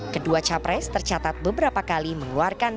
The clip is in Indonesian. kedua capres tercatat beberapa kali mengeluarkan